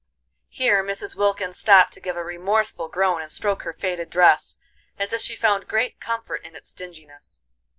Here Mrs. Wilkins stopped to give a remorseful groan and stroke her faded dress, as if she found great comfort in its dinginess.